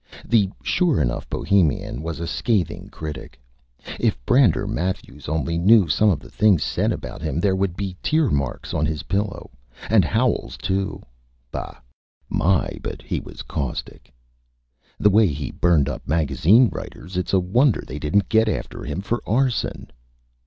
The sure enough Bohemian was a Scathing Critic. If Brander Matthews only knew some of the Things said about him, there would be Tear Marks on his Pillow. And Howells, too. Bah! My, but he was Caustic. The way he burned up Magazine Writers, it's a Wonder they didn't get after him for Arson.